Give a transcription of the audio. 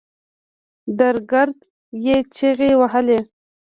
درګرده يې چيغې وهلې.